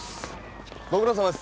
ご苦労さまです。